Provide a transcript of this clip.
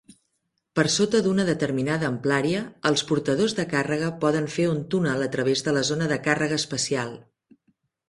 Per sota d'una determinada amplària, els portadors de càrrega poden fer un túnel a través de la zona de càrrega espacial.